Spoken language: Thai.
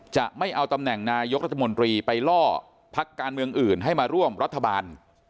จะไม่เอาตำแหน่งนายกรัฐมนตรีไปล่อพักการเมืองอื่นให้มาร่วมรัฐบาล